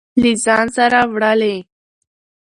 له ځان سره وړلې.